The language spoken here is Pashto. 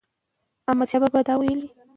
که احمد شاه بابا یاد کړو نو امپراتوري نه هیریږي.